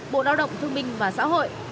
bộ lao động thương minh và xã hội